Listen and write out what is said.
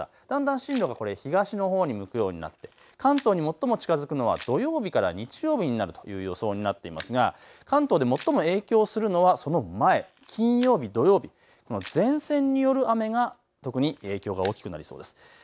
だんだん進路が東のほうに向くようになって関東に最も近づくのは土曜日から日曜日になるという予想になっていますが関東で最も影響するのはその前、金曜日、土曜日、前線による雨が特に影響が大きくなりそうです。